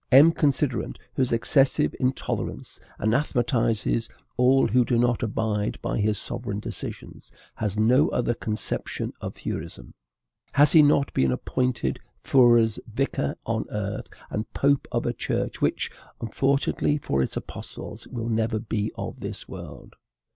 M. Considerant, whose excessive intolerance anathematizes all who do not abide by his sovereign decisions, has no other conception of Fourierism. Has he not been appointed Fourier's vicar on earth and pope of a Church which, unfortunately for its apostles, will never be of this world?